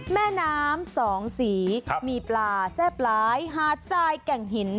แม่น้ำสองสีมีปลาแซ่บหลายหาดทรายแก่งหิน